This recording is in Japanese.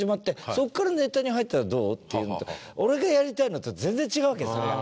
そこからネタに入ったらどう？」っていうのと俺がやりたいのと全然違うわけそれは。